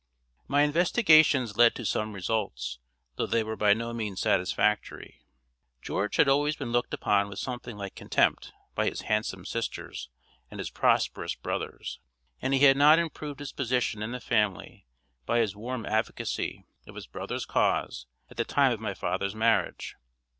My investigations led to some results, though they were by no means satisfactory. George had always been looked upon with something like contempt by his handsome sisters and his prosperous brothers, and he had not improved his position in the family by his warm advocacy of his brother's cause at the time of my father's marriage.